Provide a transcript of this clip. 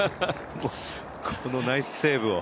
このナイスセーブを。